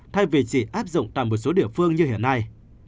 thay vì chỉ áp dụng tại một số địa phương như hiện nay